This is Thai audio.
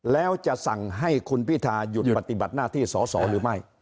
แล้วจะสั่งให้คุณพิทาหยุดปฏิบัติหน้าที่สอสอหรือไม่